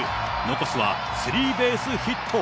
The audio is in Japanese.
残すはスリーベースヒット。